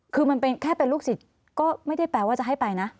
คือมันเป็นแค่เป็นลูกศิษย์ก็ไม่ได้แปลว่าจะให้ไปนะ